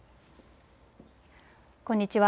こんにちは。